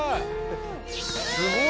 すごい！